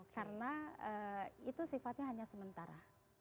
karena itu sifatnya hanya sementara